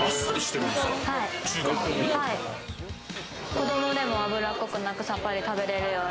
子供でも油っこくなくサッパリ食べれるように。